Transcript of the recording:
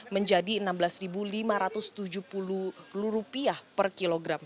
lima puluh lima menjadi rp enam belas lima ratus tujuh puluh per kilogram